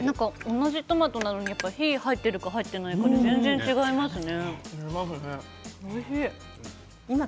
同じトマトなのに火が入っているか入っていないかで全然違いますね。